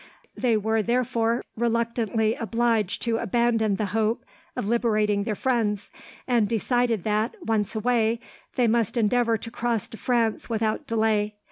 They were, therefore, reluctantly obliged to abandon the hope of liberating their friends, and decided that, once away, they must endeavour to cross to France without delay.